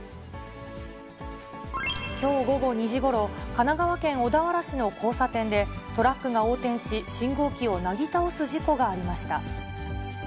きょう午後２時ごろ、神奈川県小田原市の交差点で、トラックが横転し、信号機をなぎ倒す事故がありました。